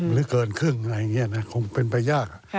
หรือเกินครึ่งอะไรอย่างนี้นะคงเป็นไปยาก